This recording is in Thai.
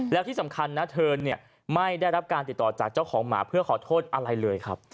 แล้วที่สำคัญนะเธอไม่ได้รับการติดต่อจากเจ้าของหมาเพื่อขอโทษอะไรเลยครับ